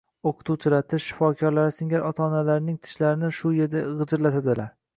O'qituvchilar, tish shifokorlari singari, ota -onalarining tishlarini shu erda g'ijirlatadilar